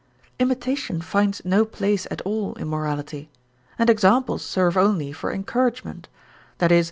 Imitation finds no place at all in morality, and examples serve only for encouragement, i.e.